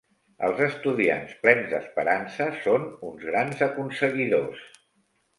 Els estudiants plens d'esperança són uns grans aconseguidors.